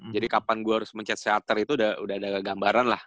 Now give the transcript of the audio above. jadi kapan gua harus mencet shutter itu udah ada gambaran lah